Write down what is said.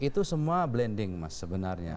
itu semua blending mas sebenarnya